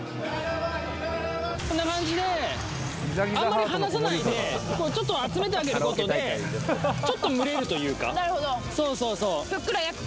こんな感じであんまり離さないでちょっと集めてあげることでちょっと蒸れるというかなるほどふっくら焼く